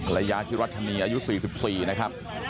ระยะที่รัชนีอายุ๔๔นะครับ